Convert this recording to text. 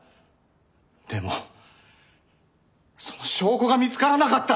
でもその証拠が見つからなかった。